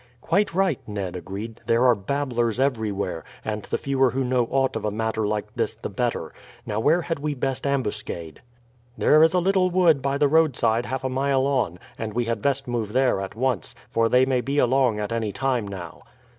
"Quite right," Ned agreed. "There are babblers everywhere, and the fewer who know aught of a matter like this the better. Now, where had we best ambuscade?" "There is a little wood by the roadside half a mile on, and we had best move there at once, for they may be along at any time now."